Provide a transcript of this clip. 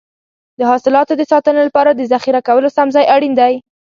د حاصلاتو د ساتنې لپاره د ذخیره کولو سم ځای اړین دی.